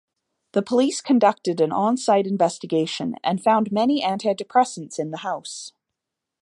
The police conducted an on-site investigation and found many anti-depressants in the house.